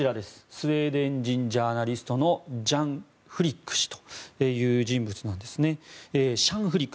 スウェーデン人ジャーナリストのシャン・フリック氏という人物なんです。